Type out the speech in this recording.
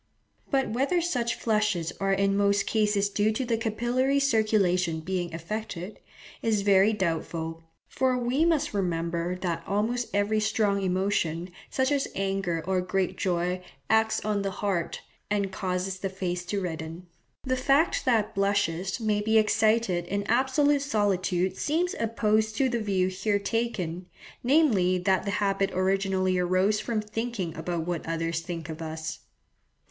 But whether such flushes are in most cases due to the capillary circulation being affected, is very doubtful; for we must remember that almost every strong emotion, such as anger or great joy, acts on the heart, and causes the face to redden. The fact that blushes may be excited in absolute solitude seems opposed to the view here taken, namely that the habit originally arose from thinking about what others think of us.